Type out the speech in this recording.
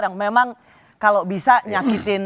yang memang kalau bisa nyakitin